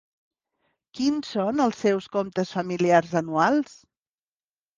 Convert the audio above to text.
Quins són els seus comptes familiars anuals?